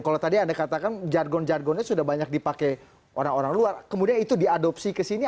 kalau tadi anda katakan jargon jargonnya sudah banyak dipakai orang orang luar kemudian itu diadopsi ke sini